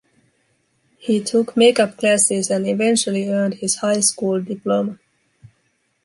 He took make-up classes and eventually earned his high school diploma.